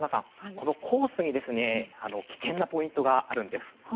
このコースに危険なポイントがあるんです。